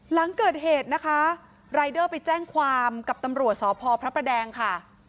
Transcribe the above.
หลังเกิดเหตุนะคะรายเดอร์ไปแจ้งความกับตำรวจสพพระประแดงค่ะ